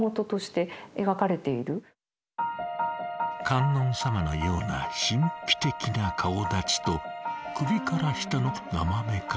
観音様のような神秘的な顔だちと首から下のなまめかしさ。